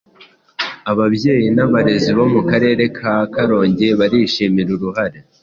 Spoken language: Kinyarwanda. Ababyeyi n’abarezi bo mu Karere ka Karongi barishimira uruhare